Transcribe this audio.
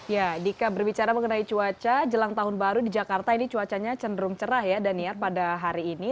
ya dika berbicara mengenai cuaca jelang tahun baru di jakarta ini cuacanya cenderung cerah ya daniar pada hari ini